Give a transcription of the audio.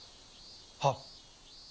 はっ。